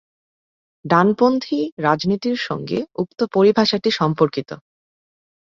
ডানপন্থী রাজনীতির সঙ্গে উক্ত পরিভাষাটি সম্পর্কিত।